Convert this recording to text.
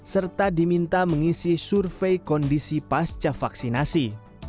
serta diminta mengisi survei kondisi pasca vaksinasi